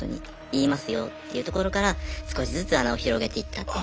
言いますよっていうところから少しずつ穴を広げていったと。